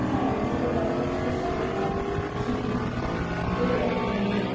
例えば私でしたら今日々どうやってより善く生きるか。